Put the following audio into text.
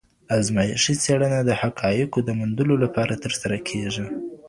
ازمایښتي څېړنه د حقایقو د موندلو لپاره ترسره کيږي.